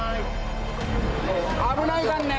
危ないからね。